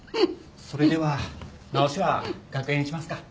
それでは直しは楽屋にしますか？